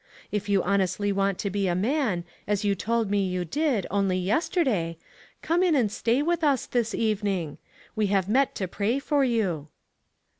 If you honestly want to be a man, as you told me you did only yesterday, come in and stay with us this evening. We have met to pray for you."